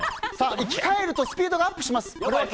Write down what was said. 生き返るとスピードがアップします。